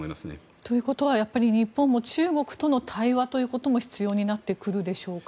ということは日本も中国との対話ということも必要になってくるでしょうか。